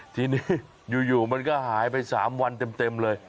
ทีนี้อยู่มันก็หายไป๓วันเต็มเลย